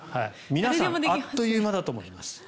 皆さん、あっという間だと思います。